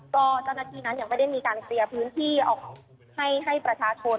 ก็เจ้าหน้าที่นั้นยังไม่ได้มีการเคลียร์พื้นที่ออกให้ประชาชน